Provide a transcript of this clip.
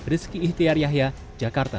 rizky ihtiar yahya jakarta